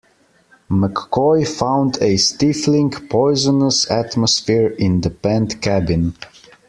McCoy found a stifling, poisonous atmosphere in the pent cabin.